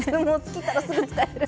切ったらすぐ使える。